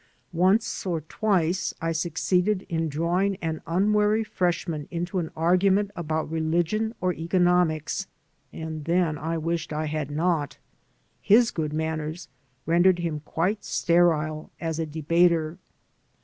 Once or twice I succeeded in drawing an unwary freshman into an argument about religion or economics, and then I wished I had not. His good manners rendered him quite sterile as a debater.